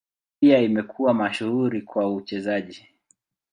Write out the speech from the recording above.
Pia amekuwa mashuhuri kwa uchezaji.